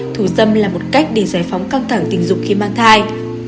thủ dâm là một cách để giải phóng căng thẳng tình dục khi mang thai